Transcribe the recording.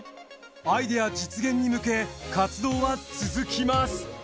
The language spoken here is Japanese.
アイデア実現に向け活動は続きます。